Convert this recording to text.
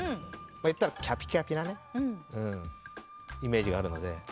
言ったらキャピキャピなイメージがあるので。